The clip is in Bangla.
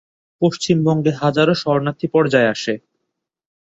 পশ্চিম বঙ্গে হাজারো শরণার্থী পর্যায় আসে।